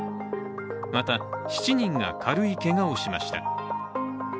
また７人が軽いけがをしました。